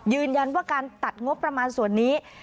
ยืนยันว่าการตัดงบประมาณส่วนนี้